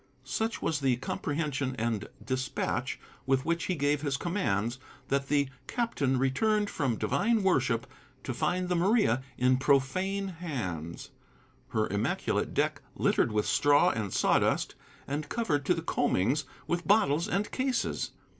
Such was the comprehension and despatch with which he gave his commands that the captain returned from divine worship to find the Maria in profane hands, her immaculate deck littered with straw and sawdust, and covered to the coamings with bottles and cases.